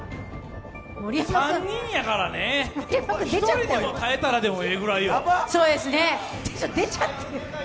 ３人やからね、１人でも耐えてええくらいよ。